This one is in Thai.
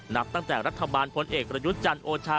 นับตั้งแต่รัฐบาลพลเอกระยุจจันโอชา